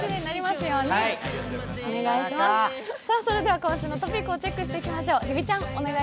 それでは今週のトピックをチェックしていきましょう。